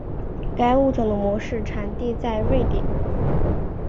该物种的模式产地在瑞典。